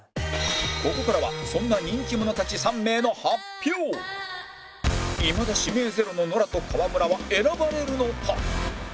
ここからはそんないまだ指名ゼロのノラと川村は選ばれるのか？